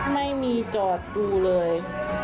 ไม่มีจอดดูเลย